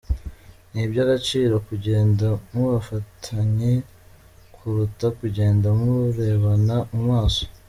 Ni iby’agaciro kugenda mufatanye kuruta kugenda murebana mu maso.